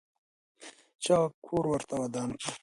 چا کور ورته ودان کړ؟